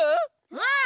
うん！